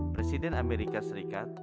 presiden amerika serikat